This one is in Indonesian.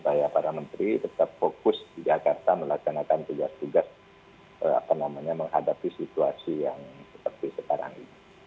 supaya para menteri tetap fokus di jakarta melaksanakan tugas tugas menghadapi situasi yang seperti sekarang ini